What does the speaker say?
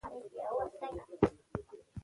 ساينس او اخلاق باید سره یوځای وي.